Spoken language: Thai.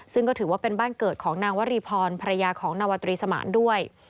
ซึ่งก็ถือว่าเป็นบ้านเกิดของนางวรีพรภรรยาของนวตรีสมานด้วย